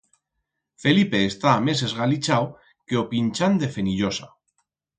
Felipe está mes esgalichau que o pinchán de Fenillosa.